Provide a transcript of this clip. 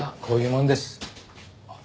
こういう者です。